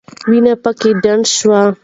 وینې پکې ډنډ شوې.